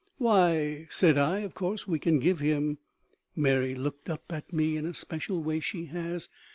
"Why," said I, "of course we can give him " Mary looked up at me in a special way she has.